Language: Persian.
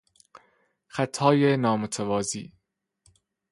خطهای نامتوازی